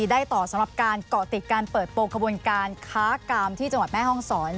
ได้ต่อสำหรับการเกาะติดการเปิดโปรงขบวนการค้ากามที่จังหวัดแม่ห้องศร